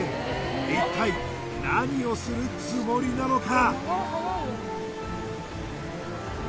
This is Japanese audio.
一体何をするつもりなのか？